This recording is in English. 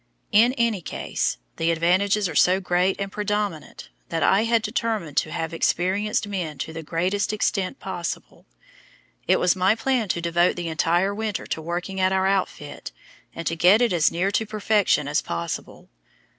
In any case, the advantages are so great and predominant that I had determined to have experienced men to the greatest extent possible. It was my plan to devote the entire winter to working at our outfit, and to get it as near to perfection as possible.